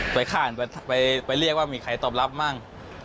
ไปเรียกว่ามีใครตอบรับมั่ง